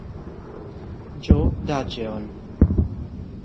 Joe Dudgeon